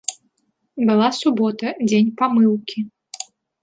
Была субота, дзень памыўкі.